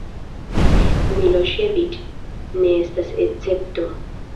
Miloŝeviĉ ne estas escepto.